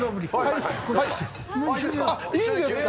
いいんですか。